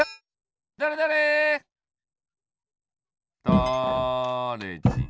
だれじん。